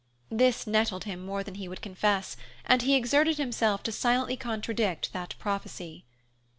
This nettled him more than he would confess, and he exerted himself to silently contradict that prophecy.